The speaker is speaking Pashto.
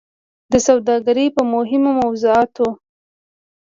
د سوداګرۍ په مهمو موضوعاتو